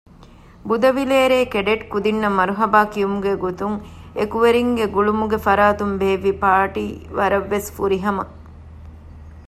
ބުދަވިލޭރޭ ކެޑެޓް ކުދިންނަށް މަރުޙަބާ ކިޔުމުގެ ގޮތުން އެކުވެރިންގެ ގުޅުމުގެ ފަރާތުން ބޭއްވި ޕާރޓީ ވަރަށް ވެސް ފުރިހަމަ